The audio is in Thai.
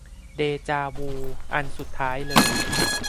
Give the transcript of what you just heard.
เดจาวู อันสุดท้ายเลย